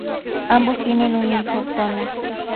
Ambos tienen un hijo, Tony.